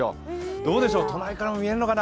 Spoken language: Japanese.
どうでしょう、都内からも見えるのかな。